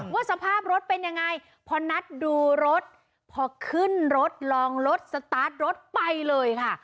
ว่าสภาพรถเป็นยังไงพอนัดดูรถพอขึ้นรถลองรถสตาร์ทรถไปเลยค่ะ